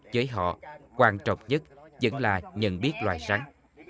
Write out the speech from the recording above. với họ quan trọng nhất vẫn là nhận biết loài rắn